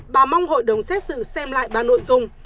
bà mong hội đồng xét xử xem lại ba nội dung